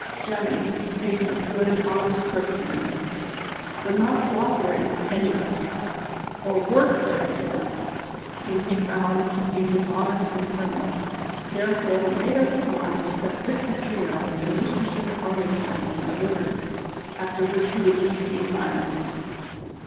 Jemmy, being a good, honest Christian, would not co operate with any one, or work for any one, whom he found to bp dishonest and criminal ; therefore he made up his mind to set Victor Juno and Miss Lucinda Armington at liberty, after which he would leave the asylum.